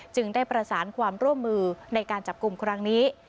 ได้ประสานความร่วมมือในการจับกลุ่มครั้งนี้